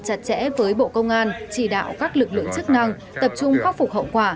chặt chẽ với bộ công an chỉ đạo các lực lượng chức năng tập trung khắc phục hậu quả